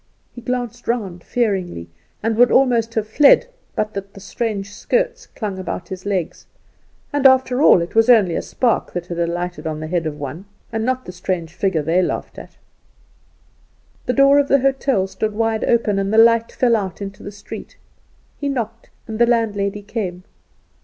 He glanced round fearingly, and would almost have fled, but that the strange skirts clung about his legs. And after all it was only a spark that had alighted on the head of one, and not the strange figure they laughed at. The door of the hotel stood wide open, and the light fell out into the street. He knocked, and the landlady came.